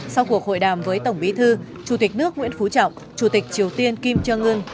sau cuộc hội đàm với tổng bí thư chủ tịch nước nguyễn phú trọng chủ tịch triều tiên kim jong un